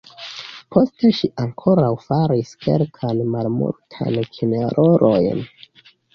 Poste ŝi ankoraŭ faris kelkajn malmultajn kinrolojn.